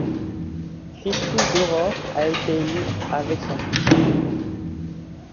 Cristòu Daurore a été élu avec son soutien.